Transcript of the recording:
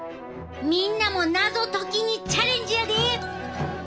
みんなも謎解きにチャレンジやで！